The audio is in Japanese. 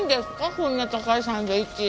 こんな高いサンドイッチ。